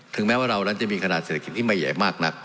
แม้ว่าเรานั้นจะมีขนาดเศรษฐกิจที่ไม่ใหญ่มากนัก